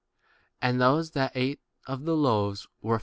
And those that ate of the loaves were?